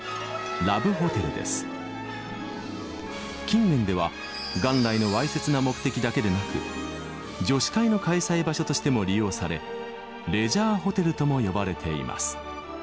「近年では元来の猥褻な目的だけでなく女子会の開催場所としても利用されレジャーホテルとも呼ばれています」